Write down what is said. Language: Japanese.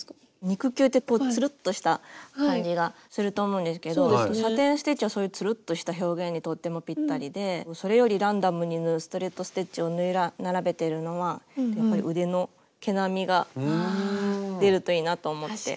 肉球ってこうつるっとした感じがすると思うんですけどサテン・ステッチはそういうつるっとした表現にとってもぴったりでそれよりランダムに縫うストレート・ステッチを縫い並べてるのはやっぱり腕の毛並みが出るといいなと思って。